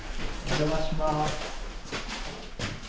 お邪魔します。